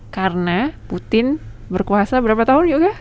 karena putin berkuasa berapa tahun yuk ya